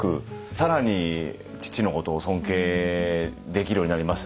更に父のことを尊敬できるようになりましたね今日。